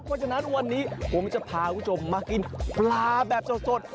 เพราะฉะนั้นวันนี้ผมจะพาคุณผู้ชมมากินปลาแบบสด